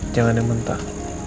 jangan yang mentah